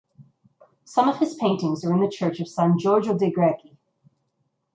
Some of his paintings are in the church of San Giorgio dei Greci.